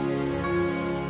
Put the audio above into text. semangat ya milla